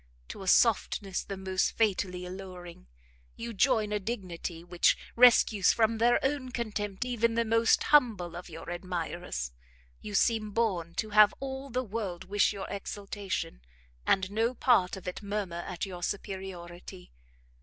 To a softness the most fatally alluring, you join a dignity which rescues from their own contempt even the most humble of your admirers. You seem born to have all the world wish your exaltation, and no part of it murmur at your superiority.